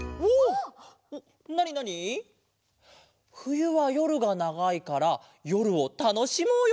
「ふゆはよるがながいからよるをたのしもうよ！」